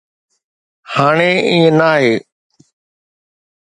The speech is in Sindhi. هاڻي ائين ناهي.